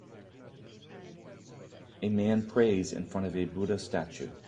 A man prays in front of a Buddha statue.